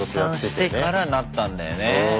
出産してからなったんだよね。